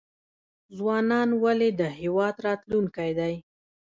ځوانان ولې د هیواد راتلونکی دی؟